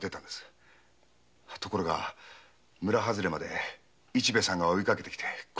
ところが村外れまで市兵衛さんが追いかけてきて。